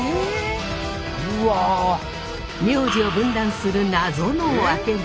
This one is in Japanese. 名字を分断する謎のワケメ。